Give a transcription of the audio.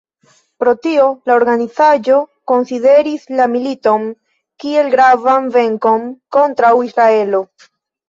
Pro tio, la organizaĵo konsideris la militon kiel gravan venkon kontraŭ Israelo.